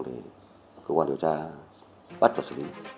để cơ quan điều tra bắt và xử lý